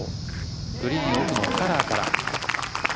グリーン奥のカラーから。